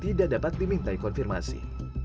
sehingga tidak dapat diminta konfirmasi